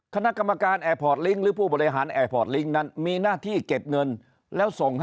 คณะกรรมการแอร์พอร์ตลิงก์หรือผู้บริหารแอร์พอร์ตลิงก์นั้น